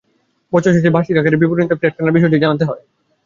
বছর শেষে শুধু বার্ষিক আয়কর বিবরণীতে ফ্ল্যাট কেনার বিষয়টি জানাতে হয়।